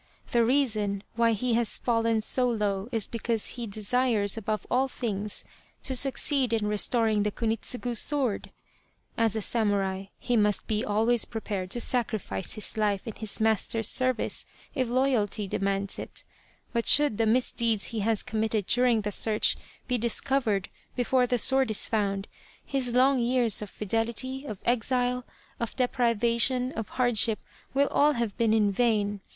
The reason why he has fallen so low is because he desires above all things to succeed in restoring the Kunitsugu sword. As a samurai he must be always prepared to sacrifice his life in his master's service if loyalty demands it, but should the misdeeds he has committed during the search be discovered before the sword is found, his long years of fidelity, of exile, of deprivation, of hardship will all have been in vain.